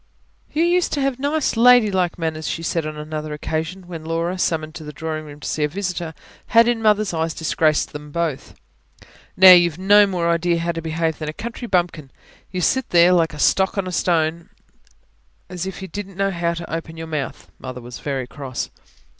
"You used to have nice, ladylike manners," she said on another occasion, when Laura, summoned to the drawingroom to see a visitor, had in Mother's eyes disgraced them both. "Now, you've no more idea how to behave than a country bumpkin. You sit there, like a stock or a stone, as if you didn't know how to open your mouth." Mother was very cross.